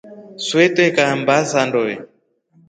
Swee twekaa mmba za ndoe.